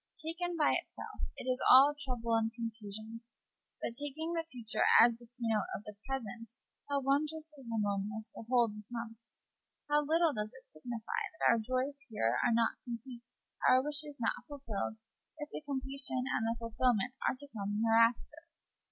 Taken by itself, it is all trouble and confusion; but, taking the future as the key note of the present, how wondrously harmonious the whole becomes! How little does it signify that our hearts are not complete, our wishes not fulfilled, if the completion and the fulfilment are to come hereafter!